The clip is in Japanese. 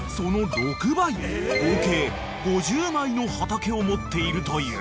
［合計５０枚の畑を持っているという］